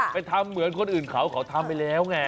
ไปทำเหมือนคนอื่นเขาเขาทำไปแล้วไง